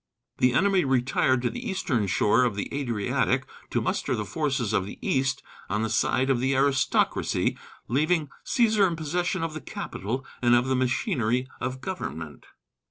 The enemy retired to the eastern shore of the Adriatic to muster the forces of the East on the side of the aristocracy, leaving Cæsar in possession of the capital and of the machinery of government.